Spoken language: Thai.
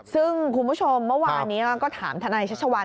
ซึ่งคุณผู้ชมเมื่อวานนี้ก็ถามทนายชัชวัล